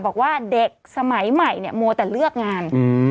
บอกว่าเด็กสมัยใหม่เนี่ยมัวแต่เลือกงาน